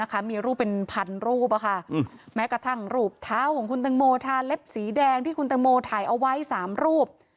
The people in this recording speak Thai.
ของคุณตังโมทาเล็บสีแดงที่คุณตังโมถ่ายเอาไว้๓รูป